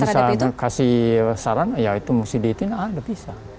dia bisa kasih saran ya itu mesti diiktir nah bisa